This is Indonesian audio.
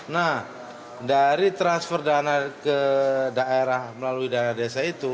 nah dari transfer dana ke daerah melalui dana desa itu